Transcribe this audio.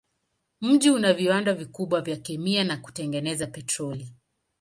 Mji una viwanda vikubwa vya kemia na kutengeneza petroli.